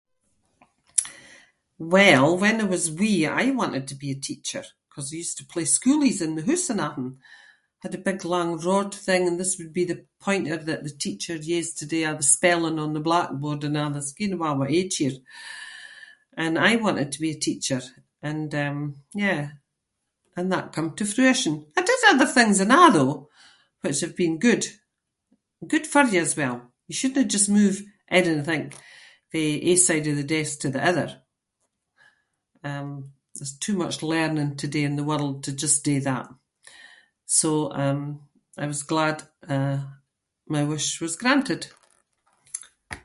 Well, when I was wee I aie wanted to be a teacher ‘cause I used to play schoolies in the hoose and athing. Had a big long rod thing and this would be the pointer that the teacher used to do all the spelling on the blackboard and [inc]. And I wanted to be a teacher and, um, yeah, and that came to fruition. I did other things and a’, though, which have been good. Good for you as well. You shouldnae just move, I dinna think, fae ai side of the desk to the other. Um, there’s too much learning to do in the world to just do that. So, um, I was glad, eh, my wish was granted.